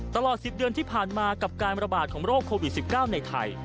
ตลอด๑๐เดือนที่ผ่านมากับการระบาดของโรคโควิด๑๙ในไทย